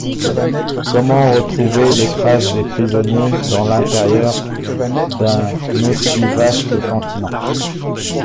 Comment retrouver les traces des prisonniers dans l’intérieur d’un aussi vaste continent?